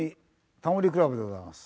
『タモリ倶楽部』でございます。